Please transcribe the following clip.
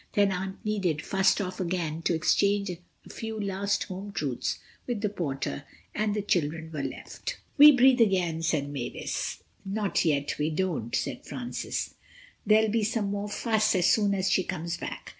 Then Aunt Enid fussed off again to exchange a few last home truths with the porter, and the children were left. "We breathe again," said Mavis. "Not yet we don't," said Francis, "there'll be some more fuss as soon as she comes back.